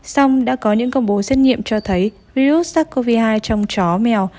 song đã có những công bố xét nghiệm cho thấy virus sars cov hai trong chó mèo